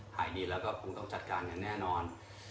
ขายดีแล้วก็คงต้องจัดการอย่างแน่นอน